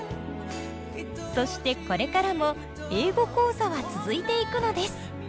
そしてこれからも英語講座は続いていくのです。